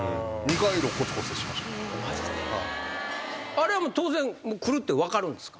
あれは当然来るって分かるんですか？